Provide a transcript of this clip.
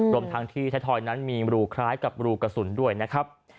รวมทั้งที่ไทยทอยนั้นมีรูคล้ายกับรูกระสุนด้วยนะครับ